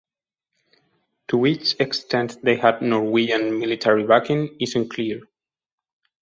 To which extent they had Norwegian military backing is unclear.